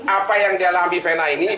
apa yang dialami vena ini